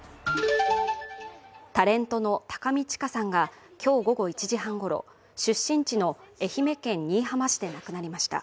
タレントの高見知佳さんが今日午後１時半ごろ、出身地の愛媛県新居浜市で亡くなりました。